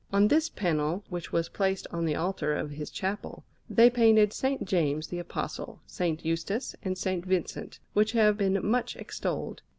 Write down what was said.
On this panel, which was placed on the altar of his chapel, they painted S. James the Apostle, S. Eustace, and S. Vincent, which have been much extolled.